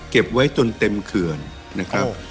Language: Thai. เก็บไว้จนเต็มเขื่อนนะครับ